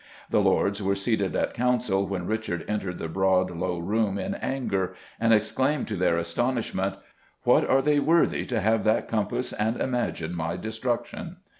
The lords were seated at council when Richard entered the broad, low room in anger, and exclaimed, to their astonishment, "What are they worthy to have that compass and imagine my destruction?"